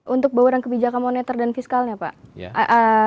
untuk bawaran kebijakan monitor dan fiskalnya pak